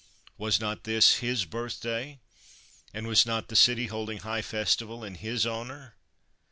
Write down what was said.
Was not this his birthday, and was not the city holding high festival in his honour